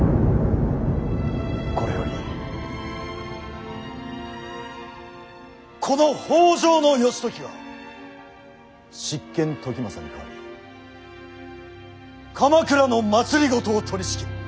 これよりこの北条義時が執権時政に代わり鎌倉の政を取りしきる。